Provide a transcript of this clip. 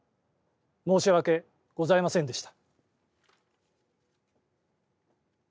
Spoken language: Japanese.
申し訳ございませんでした。